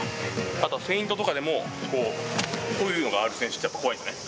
あとはフェイントとかでも、こういうのがある選手って怖いですよね。